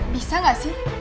bisa gak sih